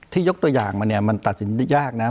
ที่ยกตัวอย่างมามันตัดสินได้ยากนะ